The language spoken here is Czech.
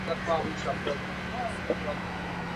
Hraje a zpívá především black metal.